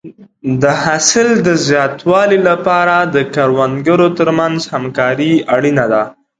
د حاصل د زیاتوالي لپاره د کروندګرو ترمنځ همکاري اړینه ده.